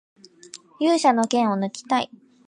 勇者の剣をぬきたい